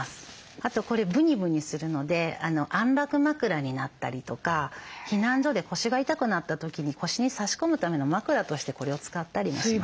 あとこれブニブニするので安楽枕になったりとか避難所で腰が痛くなった時に腰に差し込むための枕としてこれを使ったりもします。